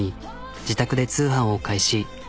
自宅で通販を開始。